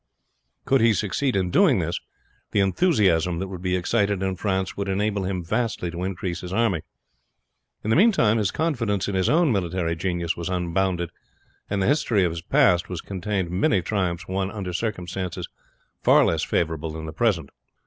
Could he succeed in doing this the enthusiasm that would be excited in France would enable him vastly to increase his army. In the meantime his confidence in his own military genius was unbounded, and the history of his past was contained many triumphs won under circumstances far less favorable than the present.